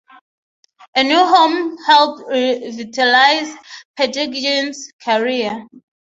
A new home helped revitalize Petagine's career.